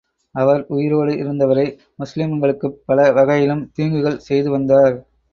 அவர் உயிரோடு இருந்த வரை, முஸ்லிம்களுக்குப் பல வகையிலும் தீங்குகள் செய்து வந்தார்.